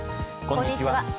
こんにちは。